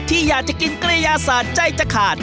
ที่อยากจะกินกระยาศาสตร์ใจจะขาด